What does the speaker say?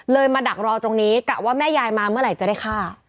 มาดักรอตรงนี้กะว่าแม่ยายมาเมื่อไหร่จะได้ฆ่า